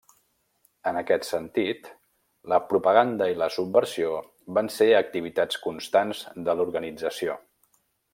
En aquest sentit, la propaganda i la subversió van ser activitats constants de l'organització.